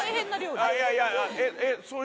いやいやえっ？